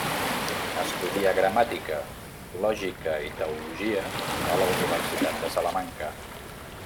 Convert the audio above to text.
Estudià gramàtica, lògica i teologia a la Universitat de Salamanca.